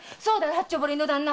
八丁堀の旦那！